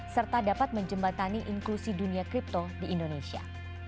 serta dapat menjembatani inklusi dunia kripto di indonesia